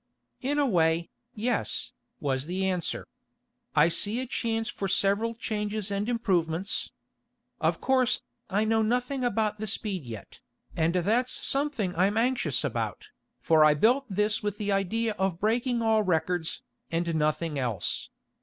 "In a way, yes," was the answer. "I see a chance for several changes and improvements. Of course, I know nothing about the speed yet, and that's something that I'm anxious about, for I built this with the idea of breaking all records, and nothing else.